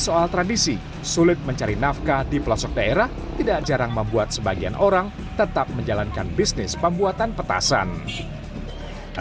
ini juga menjelang lebaran dan orang seringkali petasan itu menjadi tradisi yang bagi sebagian orang menjadi kewajiban yang harus dilaksanakan maka disini seakan akan ada benturan nilai